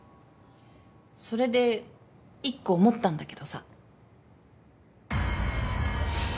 それで１個思ったんだけどさ。